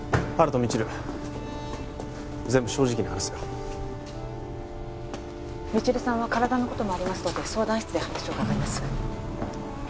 未知留全部正直に話せよ未知留さんは体のこともありますので相談室で話を伺います